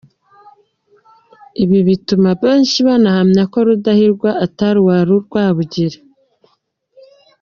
Ibi bituma benshi banahamya ko Rutalindwa atari uwa Rwabugili.